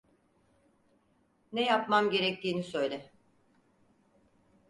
Ne yapmam gerektiğini söyle.